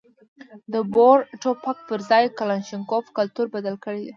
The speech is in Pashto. د بور ټوپک پر ځای کلاشینکوف کلتور بدل کړی دی.